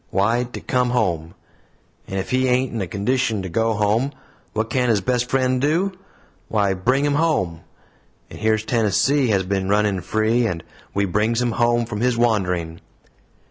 Why, to come home. And if he ain't in a condition to go home, what can his best friend do? Why, bring him home! And here's Tennessee has been running free, and we brings him home from his wandering."